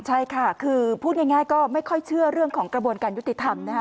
ใช่ค่ะคือพูดง่ายก็ไม่ค่อยเชื่อเรื่องของกระบวนการยุติธรรมนะคะ